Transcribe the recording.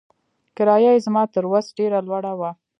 کرايه يې زما تر وس ډېره لوړه وه.